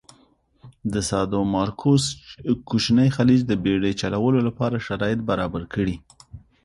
د سادومارکوس کوچینی خلیج د بېړی چلولو لپاره شرایط برابر کړي.